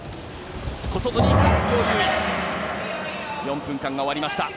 ４分間が終わりました。